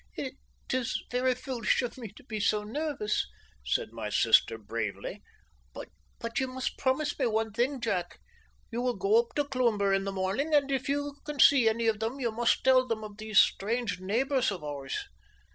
"It is very foolish of me to be so nervous," said my sister bravely. "But you must promise me one thing, Jack. You will go up to Cloomber in the morning, and if you can see any of them you must tell them of these strange neighbours of ours.